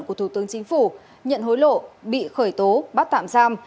của thủ tướng chính phủ nhận hối lộ bị khởi tố bắt tạm giam